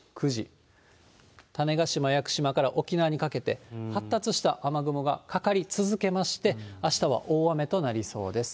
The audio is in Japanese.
種子島、屋久島から沖縄にかけて、発達した雨雲がかかり続けまして、あしたは大雨となりそうです。